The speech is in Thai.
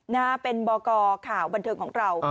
นะฮะเป็นบกข่าวบันเทิงของเรา